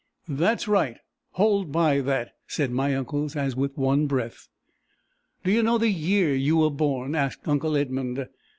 "That's right. Hold by that!" said my uncles, as with one breath. "Do you know the year you were born?" asked uncle Edmund.